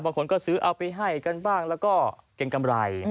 บางคนก็ซื้อเอาไปให้กันบ้างแล้วก็เกรงกำไร